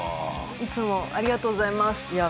いつもありがとうございますいや